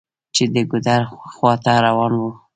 چې د ګودر خواته روان و.